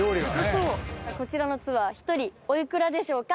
こちらのツアー１人お幾らでしょうか？